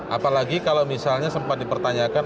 apalagi kalau misalnya sempat dipertanyakan